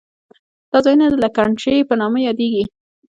دا ځایونه د لګنچې په نامه یادېږي.